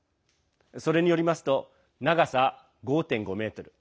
それによりますと長さ５．５ｍ。